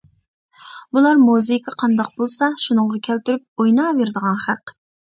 بۇلار مۇزىكا قانداق بولسا شۇنىڭغا كەلتۈرۈپ ئويناۋېرىدىغان خەق.